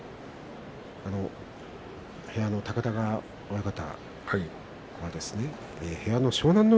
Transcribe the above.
部屋の高田川親方が部屋の湘南乃